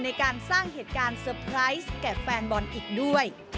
ในการสร้างเหตุการณ์เซอร์ไพรส์แก่แฟนบอลอีกด้วย